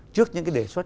trước những cái đề xuất